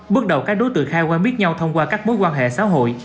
bước đầu các đối tượng khai quen biết nhau thông qua các mối quan hệ xã hội